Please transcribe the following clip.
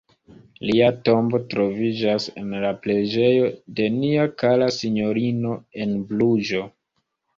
Lia tombo troviĝas en la "preĝejo de nia kara sinjorino" en Bruĝo.